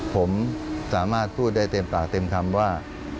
ผมสามารถพูดได้เต็มปากเต็มคำว่า